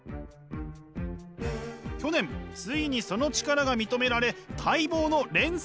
去年ついにその力が認められ待望の連載スタート！